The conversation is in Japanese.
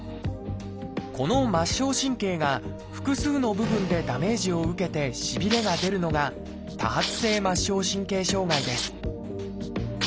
この末梢神経が複数の部分でダメージを受けてしびれが出るのが「多発性末梢神経障害」です